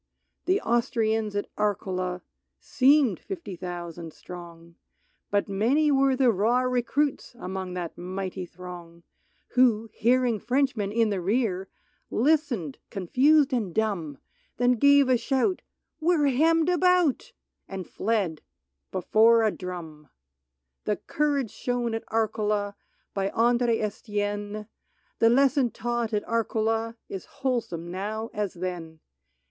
The Austrians at Areola Seemed fifty thousand strong, 50 A BALLAD OF A DRUM But many were the raw recruits Among that mighty throng, Who hearing Frenchmen in the rear, Listened, confused and dumb, Then gave a shout, —" We 're hemmed about !" And fled — before a drum ! The courage shown at Areola By Andre Estienne — The lesson taught at Areola Is wholesome now as then.